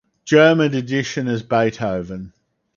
German edition as Beethoven.